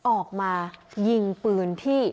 ออกมายิงปืนที่